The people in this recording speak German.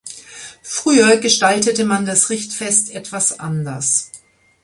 Früher gestaltete man das Richtfest etwas anders.